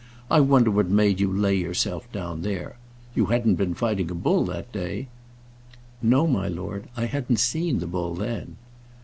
I wonder what made you lay yourself down there. You hadn't been fighting a bull that day?" "No, my lord. I hadn't seen the bull then."